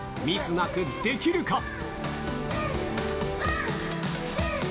ミスなくできるか。